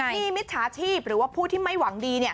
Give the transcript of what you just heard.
มีมิจฉาชีพหรือว่าผู้ที่ไม่หวังดี